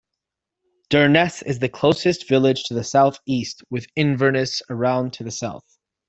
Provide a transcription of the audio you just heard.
Durness is the closest village, to the south-east with Inverness around to the south.